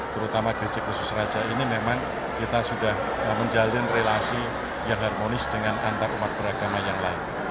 terutama gereja khusus raja ini memang kita sudah menjalin relasi yang harmonis dengan antarumat beragama yang lain